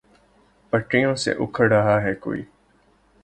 پٹریوں سا اکھڑ رہا ہے کوئی